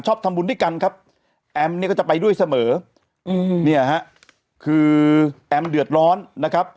ทำบุญด้วยกันครับแอมเนี่ยก็จะไปด้วยเสมออืมเนี่ยฮะคือแอมเดือดร้อนนะครับ